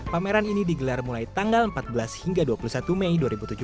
pameran ini digelar mulai tanggal empat belas hingga dua puluh satu mei dua ribu tujuh belas